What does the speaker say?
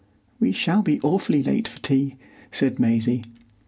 "We shall be awfully late for tea," said Maisie.